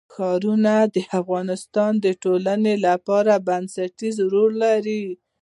ښارونه د افغانستان د ټولنې لپاره بنسټيز رول لري.